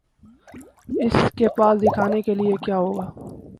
اس کے پاس دکھانے کے لیے کیا ہو گا؟